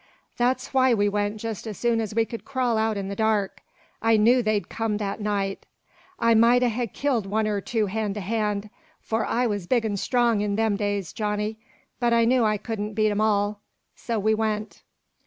_ That's why we went just as soon as we could crawl out in the dark. I knew they'd come that night. I might ha' killed one or two hand to hand, for I was big an' strong in them days, Johnny, but I knew I couldn't beat 'em all. So we went."